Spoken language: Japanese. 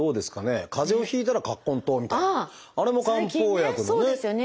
かぜをひいたら葛根湯みたいなあれも漢方薬のね一つですから。